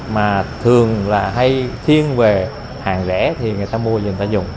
mà thường là hay thiên về hàng rẻ thì người ta mua người ta dùng